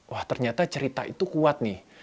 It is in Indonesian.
wah ternyata cerita itu kuat nih